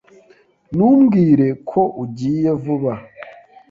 Ntumbwire ko ugiye vuba.